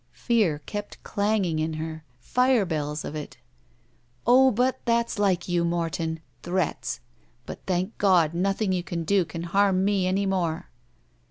Pear kept clanging in her. Pire beUs of it. "Oh, but that's like you, Morton! Threats! But, thank God, nothing you can do can harm me any more."